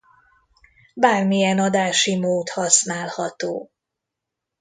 Bármilyen adási mód használható.